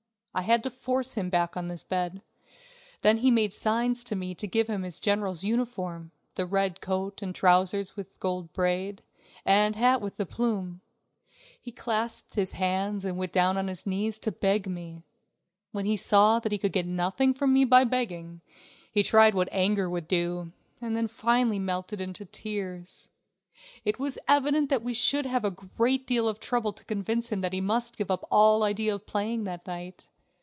I had to force him back on his bed; then he made signs to me to give him his general's uniform the red coat and trousers with gold braid, and hat with the plume. He clasped his hands and went down on his knees to beg me. When he saw that he could get nothing from me by begging, he tried what anger would do, then finally melted into tears. It was evident that we should have a great deal of trouble to convince him that he must give up all idea of playing that night.